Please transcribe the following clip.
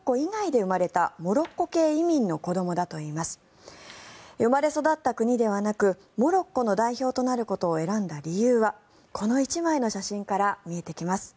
生まれ育った国ではなくモロッコ代表となることを選んだ理由はこの１枚の写真から見えてきます。